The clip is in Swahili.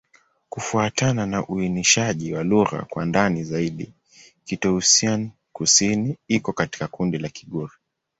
Kufuatana na uainishaji wa lugha kwa ndani zaidi, Kitoussian-Kusini iko katika kundi la Kigur.